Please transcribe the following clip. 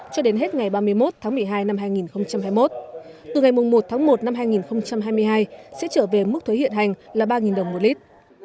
cho đến hết ngày ba mươi một tháng một mươi hai năm hai nghìn hai mươi một từ ngày một tháng một năm hai nghìn hai mươi hai sẽ trở về mức thuế hiện hành là ba đồng một lít